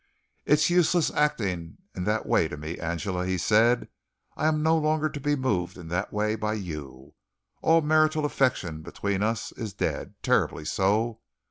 "It's useless acting in that way to me, Angela," he said. "I'm no longer to be moved in that way by you. All marital affection between us is dead terribly so.